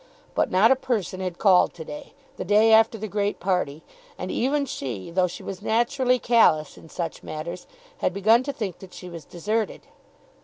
But not a person had called to day, the day after the great party, and even she, though she was naturally callous in such matters, had begun to think that she was deserted.